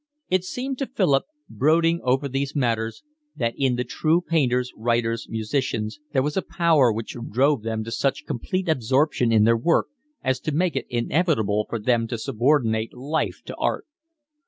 It seemed to Philip, brooding over these matters, that in the true painters, writers, musicians, there was a power which drove them to such complete absorption in their work as to make it inevitable for them to subordinate life to art.